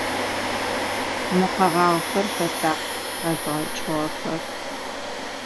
Мо къэгъагъэхэр хэта къэзгъэкӏыгъэхэр?